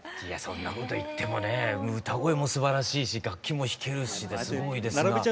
いやそんなこと言ってもね歌声もすばらしいし楽器も弾けるしですごいですが。